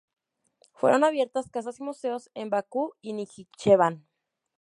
Fueron abiertas casas y museos en Bakú y Najicheván.